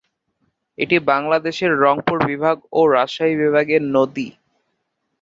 এটি বাংলাদেশের রংপুর বিভাগ ও রাজশাহী বিভাগের নদী।